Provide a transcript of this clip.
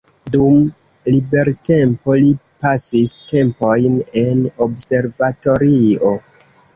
Dum libertempo li pasis tempojn en observatorio.